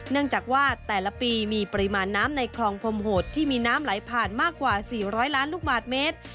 เนื่องจากว่าแต่ละปีมีปริมาณน้ำในคลองพรมโหดที่มีน้ำไหลผ่านมากกว่า๔๐๐ล้านลูกบาทเมตร